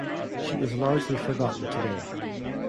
She is largely forgotten today.